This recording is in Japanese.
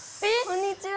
こんにちは。